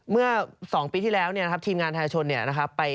เมื่อ๒ปีที่แล้วทีมงานทายชน